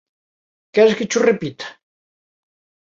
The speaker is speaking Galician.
Queres que cho repita?